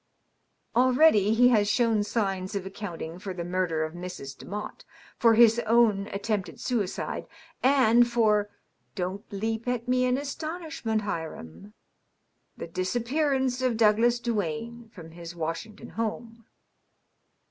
Already he has shown signs of accounting for the murder of Mrs. Demotte, for his own attempted suicide, and for — don't leap at me in astonishment, Hiram — ^the disappearance of Douglas Duane from his Washington home."